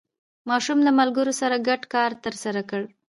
ماشوم له ملګرو سره ګډ کار ترسره کړ